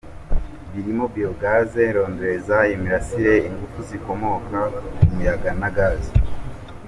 Birimo Biogaz, rondereza, imirasire, ingufu zikomoka ku muyaga na gaz.